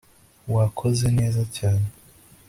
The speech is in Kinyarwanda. wakoze neza cyane